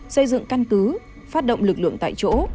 xây dựng căn cứ phát động lực lượng tại chỗ